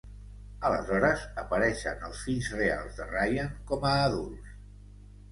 Aleshores, apareixen els fills reals de Ryan com a adults.